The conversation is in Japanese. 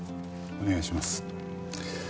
お願いします。